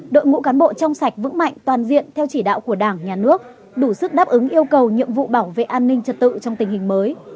đội ngũ cán bộ trong sạch vững mạnh toàn diện theo chỉ đạo của đảng nhà nước đủ sức đáp ứng yêu cầu nhiệm vụ bảo vệ an ninh trật tự trong tình hình mới